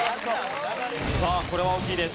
さあこれは大きいです。